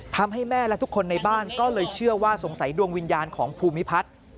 ทำให้แม่และทุกคนในบ้านก็เลยเชื่อว่าสงสัยดวงวิญญาณของภูมิพัฒน์